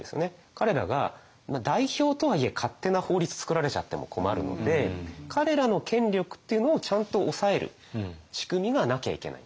彼らが代表とはいえ勝手な法律つくられちゃっても困るので彼らの権力っていうのをちゃんと抑える仕組みがなきゃいけないんだ。